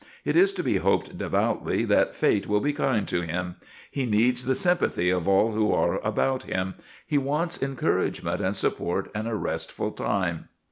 It is to be hoped devoutly that fate will be kind to him: he needs the sympathy of all who are about him; he wants encouragement and support and a restful time.